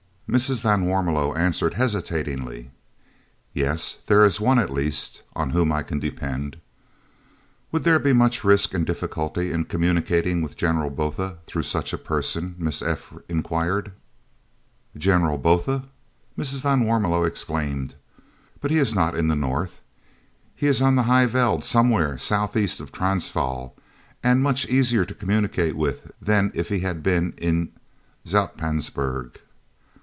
Mrs. van Warmelo answered hesitatingly: "Yes there is one, at least, on whom I can depend." "Would there be much risk and difficulty in communicating with General Botha through such a person?" Miss F. inquired. "General Botha!" Mrs. van Warmelo exclaimed. "But he is not in the north. He is on the High Veld, somewhere south east of Transvaal, and much easier to communicate with than if he had been in Zoutpansberg."